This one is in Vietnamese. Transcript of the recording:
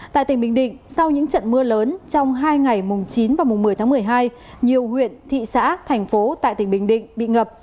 tại tỉnh bình định sau những trận mưa lớn trong hai ngày mùng chín và mùng một mươi tháng một mươi hai nhiều huyện thị xã thành phố tại tỉnh bình định bị ngập